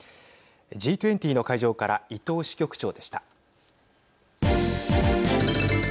Ｇ２０の会場から伊藤支局長でした。